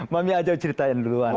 mami aja ceritain duluan